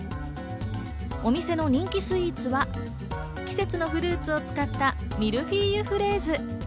お店の人気スイーツは季節のフルーツを使ったミルフィーユフレーズ。